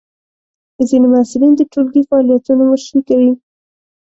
ځینې محصلین د ټولګی فعالیتونو مشري کوي.